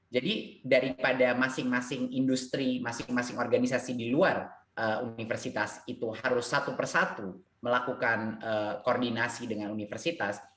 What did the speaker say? daripada masing masing industri masing masing organisasi di luar universitas itu harus satu persatu melakukan koordinasi dengan universitas